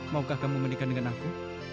maukah kamu menikah dengan aku